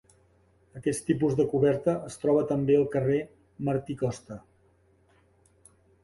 Aquest tipus de coberta es troba també al carrer Martí Costa.